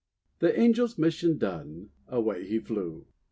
The Angel's mission done, away he flew.